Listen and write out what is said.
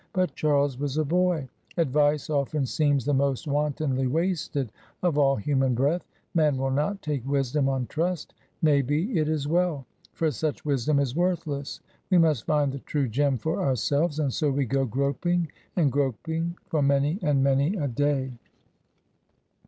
But Charles was a boy; advice often seems the most wantonly wasted of all human breath; man will not take wisdom on trust; may be, it is well; for such wisdom is worthless; we must find the true gem for ourselves; and so we go groping and groping for many and many a day.